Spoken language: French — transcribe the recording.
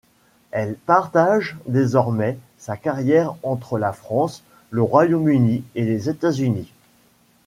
Elle partage désormais sa carrière entre la France, le Royaume-Uni et les États-Unis.